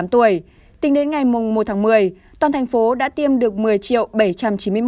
tính đến ngày mùng một tháng một mươi toàn thành phố đã tiêm được một mươi bảy trăm chín mươi một sáu trăm bốn mươi chín mũi